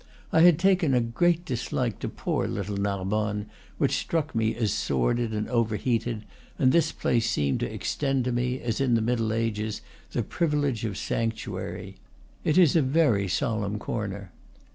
I had taken a great dislike to poor little Narbonne, which struck me as sordid and overheated, and this place seemed to extend to me, as in the Middle Ages, the privilege of sanctuary. It is a very solemn corner.